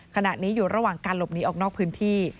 ขณะนี้อยู่ระหว่างการหลบหนีออกนอกพื้นที่